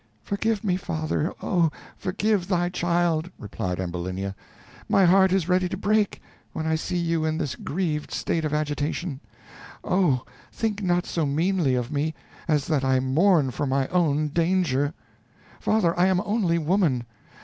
"Forgive me, father, oh! forgive thy child," replied Ambulinia. "My heart is ready to break, when I see you in this grieved state of agitation. Oh! think not so meanly of me, as that I mourn for my own danger. Father, I am only woman.